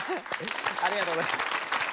ありがとうございます。